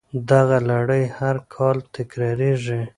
دغه لړۍ هر کال تکراریږي